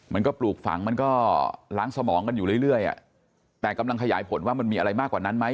มันก็ปลูกฝังมันก็ล้างสมองกันอยู่เรื่อยแต่กำลังขยายผลว่ามันมีอะไรมากกว่านั้นไหม